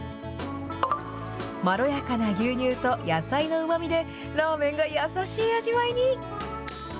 まろやかな牛乳と野菜のうまみで、ラーメンが優しい味わいに。